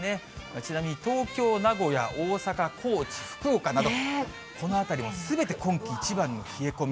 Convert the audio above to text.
ちなみに、東京、名古屋、大阪、高知、福岡など、この辺りもすべて今季一番の冷え込み。